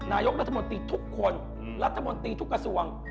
นายท็อตรรัฐมนตร์ที่ทุกคนรัฐมนตร์ที่ทุกกระทรวง